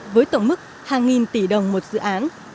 với tổng mức hàng nghìn tỷ đồng một dự án